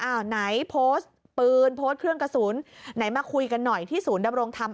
ไหนโพสต์ปืนโพสต์เครื่องกระสุนไหนมาคุยกันหน่อยที่ศูนย์ดำรงธรรม